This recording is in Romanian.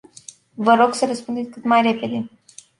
Vă rog să răspundeți cât mai repede.